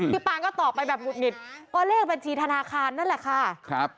ปางก็ตอบไปแบบหุดหงิดก็เลขบัญชีธนาคารนั่นแหละค่ะครับ